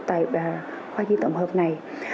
tại khoa kỳ tổng hợp này